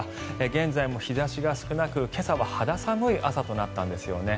現在も日差しが少なく、今朝は肌寒い朝となったんですよね。